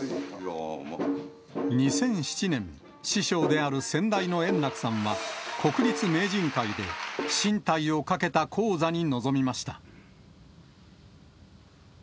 ２００７年、師匠である先代の圓楽さんは、国立名人会で、進退をかけた高座に臨みました。